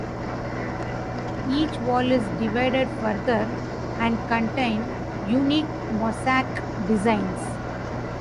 Each wall is divided further, and contain unique mosaic designs.